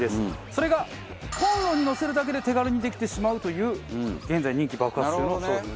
それがコンロにのせるだけで手軽にできてしまうという現在人気爆発中の商品。